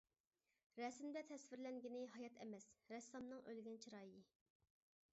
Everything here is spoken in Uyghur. رەسىمدە تەسۋىرلەنگىنى ھايات ئەمەس، رەسسامنىڭ ئۆلگەن چىرايى.